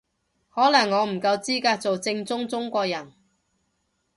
可能我唔夠資格做正宗中國人